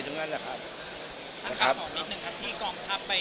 อย่างนั้นแหละครับท่านครับขอนิดหนึ่งครับที่กองทัพไป